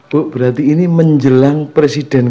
bu berarti ini menjelang presiden